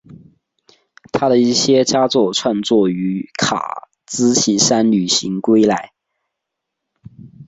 他的一些佳作创作于卡兹奇山旅行归来。